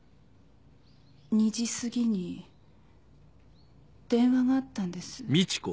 ２時過ぎに電話があったんです。